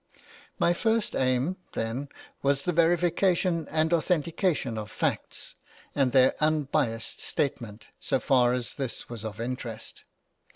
My first aim, then, was the verification and authentication of facts, and their unbiassed statement, so far as this was of interest.